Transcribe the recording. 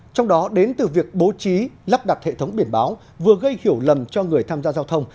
trong đó đến từ việc bố trí lắp đặt hệ thống biển báo vừa gây hiểu lầm cho người tham gia giao thông